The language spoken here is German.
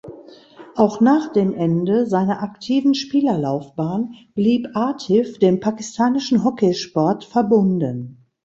Auch nach dem Ende seiner aktiven Spielerlaufbahn blieb Atif dem pakistanischen Hockeysport verbunden.